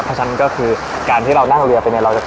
เพราะฉะนั้นก็คือการที่เรานั่งเรือไปเนี่ย